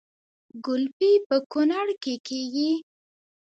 ګلپي په کونړ کې کیږي